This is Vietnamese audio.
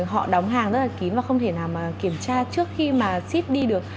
họ đóng hàng rất là kín và không thể nào mà kiểm tra trước khi mà ship đi được